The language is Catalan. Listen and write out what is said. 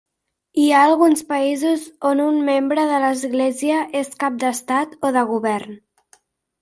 Hi ha alguns països on un membre de l'Església és cap d'Estat o de govern.